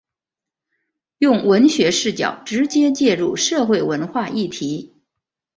用文学视角直接介入社会文化议题。